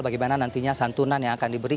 bagaimana nantinya santunan yang akan diberikan